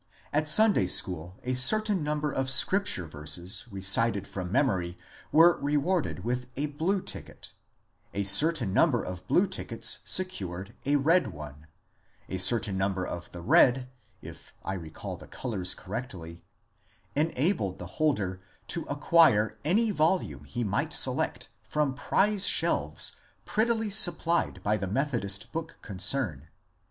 At Sunday school a certain number of > Scripture verses recited from memory were re warded with a blue ticket ; a certain number of blue tickets secured a red one ; a certain number of the red — if I recall the colours correctly — enabled the holder to acquire any volume he might select from prize shelves prettily supplied by the Methodist Book Concern.